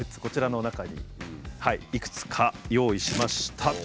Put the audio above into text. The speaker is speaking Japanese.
こちらの中にいくつか用意しました。